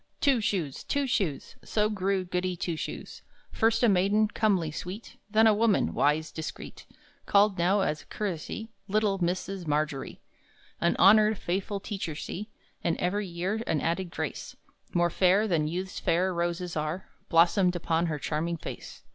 Two Shoes, Two Shoes, So grew Goody Two Shoes! First a maiden, comely, sweet; Then a woman, wise, discreet; Called now, as a courtesy, Little Mrs. Margery. An honored, faithful teacher she! And every year an added grace, More fair than youth's fair roses are, Blossomed upon her charming face.